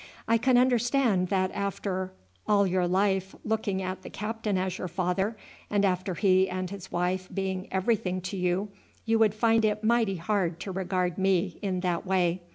"I can understand that after all your life looking at the captain as your father, and after he and his wife being everything to you, you would find it mighty hard to regard me in that way.